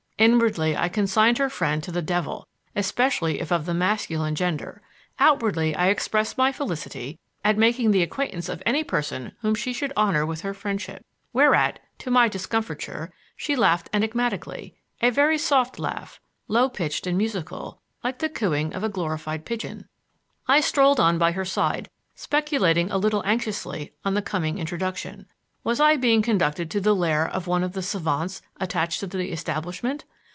Inwardly I consigned her friend to the devil, especially if of the masculine gender; outwardly I expressed my felicity at making the acquaintance of any person whom she should honor with her friendship. Whereat, to my discomfiture, she laughed enigmatically; a very soft laugh, low pitched and musical, like the cooing of a glorified pigeon. I strolled on by her side, speculating a little anxiously on the coming introduction. Was I being conducted to the lair of one of the savants attached to the establishment?